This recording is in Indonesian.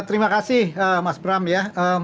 terima kasih mas bram ya